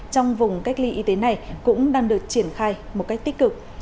trong vùng cách ly y tế này cũng đang được triển khai một cách tích cực